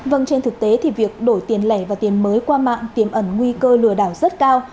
vâng trên thực tế thì việc đổi tiền lẻ và tiền mới qua mạng tiềm ẩn nguy cơ lừa đảo rất cao